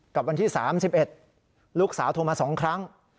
กับวันที่๓๑ลูกสาวโทรมา๒ครั้ง